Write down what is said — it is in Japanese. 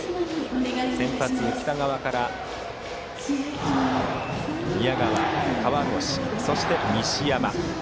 先発の北川から宮川、河越そして西山。